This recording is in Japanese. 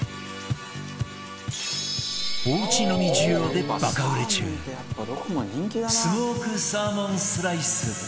おうち飲み需要でバカ売れ中スモークサーモンスライス